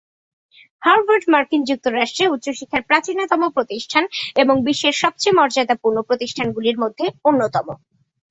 Harvard মার্কিন যুক্তরাষ্ট্রে উচ্চশিক্ষার প্রাচীনতম প্রতিষ্ঠান এবং বিশ্বের সবচেয়ে মর্যাদাপূর্ণ প্রতিষ্ঠানগুলির মধ্যে অন্যতম।